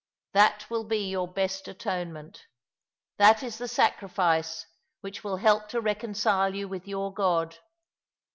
That will be your best atonement. That is the sacrifice which will help to reconcile you with your God.